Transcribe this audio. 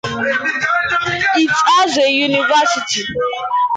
It has a university.